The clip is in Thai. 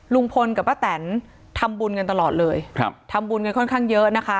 ลุงพลกับป้าแตนทำบุญกันตลอดเลยครับทำบุญกันค่อนข้างเยอะนะคะ